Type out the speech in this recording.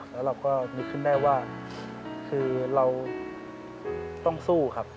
แล้วเราก็นึกขึ้นได้ว่าคือเราต้องสู้ครับ